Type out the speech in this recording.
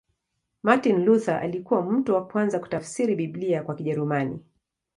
Martin Luther alikuwa mtu wa kwanza kutafsiri Biblia kwa Kijerumani.